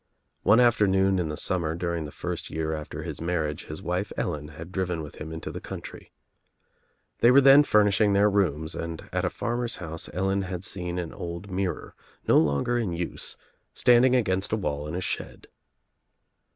One afternoon in the summer during the first year after his marriage his wife Ellen had driven with him into the country. They were then furnishing their rooms and at a farmer's house Ellen had seen an old mirror, no longer in use, standing against a wall in a shed.